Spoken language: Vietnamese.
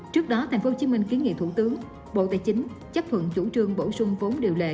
trước đó tp hcm kiến nghị thủ tướng bộ tài chính chấp thuận chủ trương bổ sung vốn điều lệ